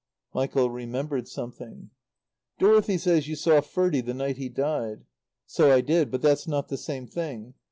Michael remembered something. "Dorothy says you saw Ferdie the night he died." "So I did. But that's not the same thing.